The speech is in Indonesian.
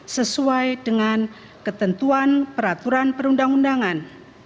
sesuai dengan ketentuan peraturan perundang undangan